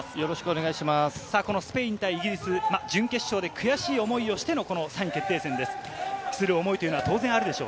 スペイン対イギリス、準決勝で悔しい思いをしての３位決定戦です。